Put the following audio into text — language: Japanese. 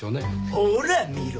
ほら見ろ！